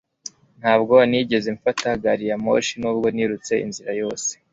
Ntabwo nigeze mfata gari ya moshi, nubwo nirutse inzira yose.